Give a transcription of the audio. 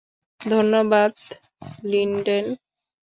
ধন্যবাদ, লিন্ডেন।